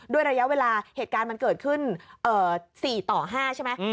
ระยะเวลาเหตุการณ์มันเกิดขึ้น๔ต่อ๕ใช่ไหม